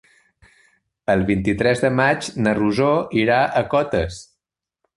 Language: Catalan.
El vint-i-tres de maig na Rosó irà a Cotes.